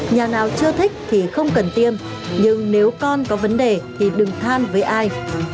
nhà nào chưa thích thì không cần tiêm nhưng nếu con có vấn đề thì đừng than với ai